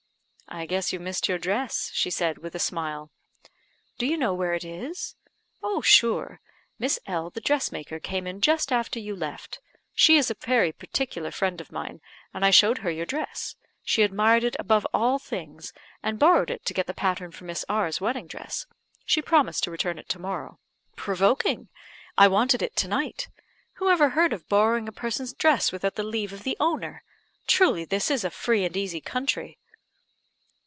"I guess you missed your dress," she said, with a smile. "Do you know where it is?" "Oh, sure. Miss L , the dressmaker, came in just after you left. She is a very particular friend of mine, and I showed her your dress. She admired it above all things, and borrowed it, to get the pattern for Miss R 's wedding dress. She promised to return it to morrow." "Provoking! I wanted it to night. Who ever heard of borrowing a person's dress without the leave of the owner? Truly, this is a free and easy country!"